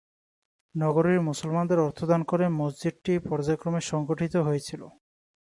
নগরীর মুসলমানদের অর্থ দান করে মসজিদটি পর্যায়ক্রমে সংঘটিত হয়েছিল।